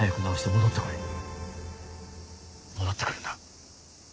戻って来るんだ。